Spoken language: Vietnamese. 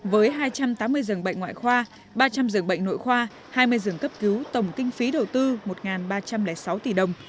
với hai trăm tám mươi giường bệnh ngoại khoa ba trăm linh giường bệnh nội khoa hai mươi giường cấp cứu tổng kinh phí đầu tư một ba trăm linh sáu tỷ đồng